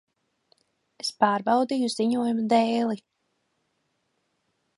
Es pārbaudīju ziņojumu dēli.